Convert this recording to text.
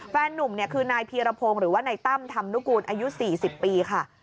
นุ่มเนี่ยคือนายพีรพงศ์หรือว่านายตั้มธรรมนุกูลอายุ๔๐ปีค่ะ